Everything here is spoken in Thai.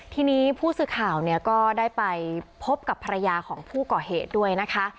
ทีนี้ผู้สื่อข่าวเนี่ยก็ได้ไปพบกับภรรยาของผู้ก่อเหตุด้วยนะคะ